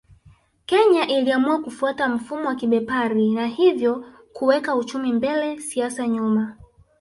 Kenya iliamua kufuata mfumo wa kibepari na hivyo kuweka uchumi mbele siasa nyuma